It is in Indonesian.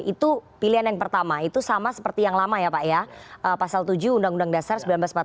itu pilihan yang pertama itu sama seperti yang lama ya pak ya pasal tujuh undang undang dasar seribu sembilan ratus empat puluh lima